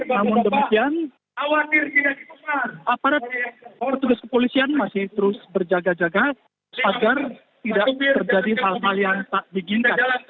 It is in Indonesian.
namun demikian aparat petugas kepolisian masih terus berjaga jaga agar tidak terjadi hal hal yang tak diinginkan